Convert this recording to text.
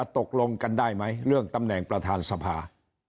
จะตกลงกันได้ไหมเรื่องตำแหน่งประทานทรัพย์